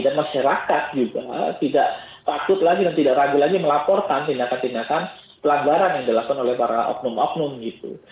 dan masyarakat juga tidak takut lagi dan tidak ragu lagi melaporkan tindakan tindakan pelabaran yang dilakukan oleh para oknum oknum gitu